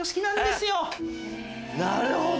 なるほど！